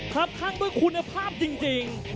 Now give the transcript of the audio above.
ครับข้างด้วยคุณภาพจริง